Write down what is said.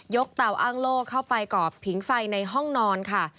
เตาอ้างโล่เข้าไปกรอบผิงไฟในห้องนอนค่ะ